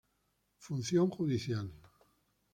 Función Judicial.